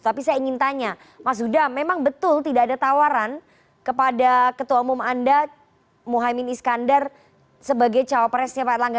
tapi saya ingin tanya mas huda memang betul tidak ada tawaran kepada ketua umum anda muhaymin iskandar sebagai cawapresnya pak erlangga